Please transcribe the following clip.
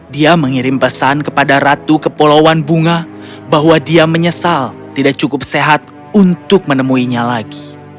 dia mengirim pesan kepada ratu kepulauan bunga bahwa dia menyesal tidak cukup sehat untuk menemuinya lagi